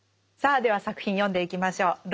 さあでは作品読んでいきましょう。